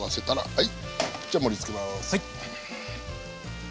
はい。